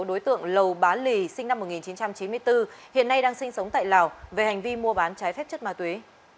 đối tượng lầu bá lì sinh năm một nghìn chín trăm chín mươi bốn hiện nay đang sinh sống tại lào về hành vi mua bán trái phép chất ma túy